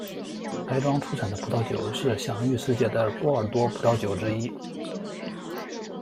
该庄出产的葡萄酒是享誉世界的波尔多葡萄酒之一。